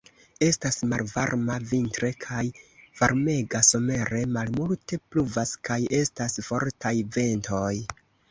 Estas malvarma vintre kaj varmega somere; malmulte pluvas kaj estas fortaj ventoj.